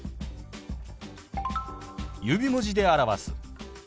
指文字で表す。